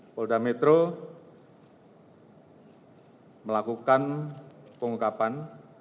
polda metro melakukan pengungkapan